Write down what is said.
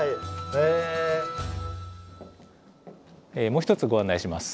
もう一つご案内します。